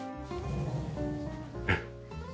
えっ！